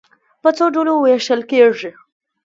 په څو ډلو وېشل کېږي.